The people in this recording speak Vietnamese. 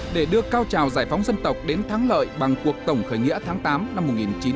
để đưa cao trào giải phóng dân tộc đến thắng lợi bằng cuộc tổng khởi nghĩa tháng tám năm một nghìn chín trăm bốn mươi năm